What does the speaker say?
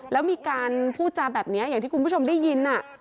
แล้วมีการพูดจาแบบนี้อย่างที่คุณผู้ชมได้ยิน